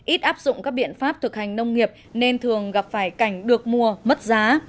ít áp dụng các biện pháp thực hành nông nghiệp nên thường gặp phải cảnh được mua mất giá